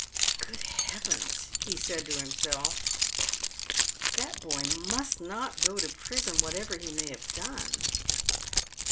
' Grood Heavens !" he said to himself, "that boy must not go to prison whatever he may have done."